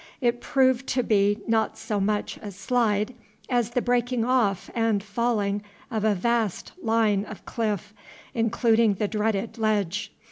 It proved to be not so much a slide as the breaking off and falling of a vast line of cliff, including the dreaded Ledge.